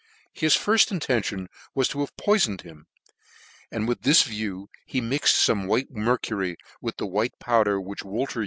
His firft intention was to have poifoned him ; and with this view he mixed fome white mercury with a white powder which Wolter